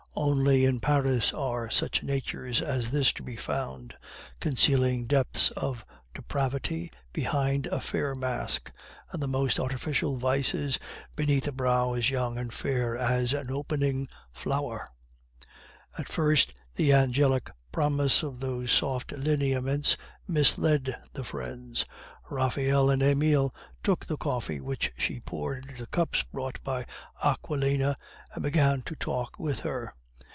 Only in Paris are such natures as this to be found, concealing depths of depravity behind a fair mask, and the most artificial vices beneath a brow as young and fair as an opening flower. At first the angelic promise of those soft lineaments misled the friends. Raphael and Emile took the coffee which she poured into the cups brought by Aquilina, and began to talk with her.